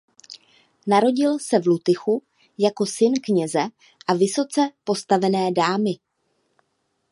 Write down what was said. Narodil se v Lutychu jako syn kněze a vysoce postavené dámy.